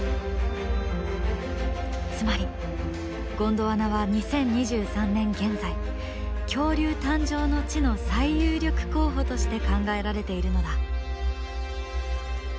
つまりゴンドワナは２０２３年現在恐竜誕生の地の最有力候補として考えられているのだ。